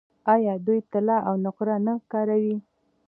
آیا دوی طلا او نقره نه کاروي؟